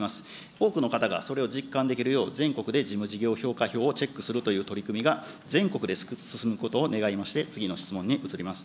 多くの方がそれを実感できるよう全国で事務事業評価票をチェックするという取り組みが、全国で進むことを願いまして、次の質問に移ります。